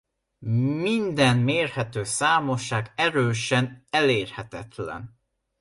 Minden mérhető számosság erősen elérhetetlen.